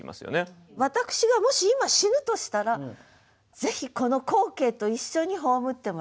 私がもし今死ぬとしたらぜひこの光景と一緒に葬ってもらいたい。